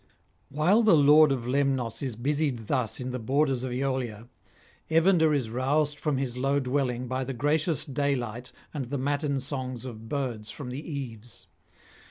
While the lord of Lemnos is busied thus in the borders of Aeolia, Evander is roused from his low dwelling by the gracious daylight and the matin songs of birds from the eaves.